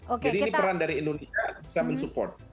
jadi ini peran dari indonesia bisa mensupport